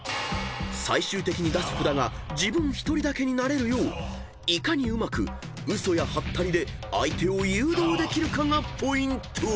［最終的に出す札が自分１人だけになれるよういかにうまく嘘やハッタリで相手を誘導できるかがポイント］